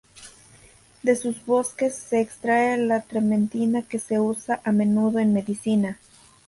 De sus bosques se extrae la trementina que se usa a menudo en medicina.